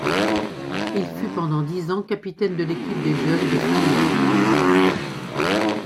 Il fut pendant dix ans capitaine de l'équipe des jeunes de Saint-Nom.